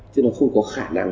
chứ nó không có khả năng